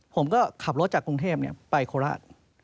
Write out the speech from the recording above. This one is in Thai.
ผมก็ขับรถจากกรุงเทพไปโคราช